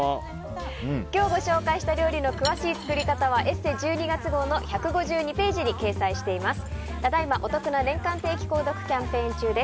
今日ご紹介した料理の詳しい作り方は「ＥＳＳＥ」１２月号の１５２ページに掲載しています。